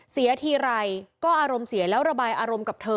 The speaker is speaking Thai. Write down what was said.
เสียทีไรก็อารมณ์เสียแล้วระบายอารมณ์กับเธอ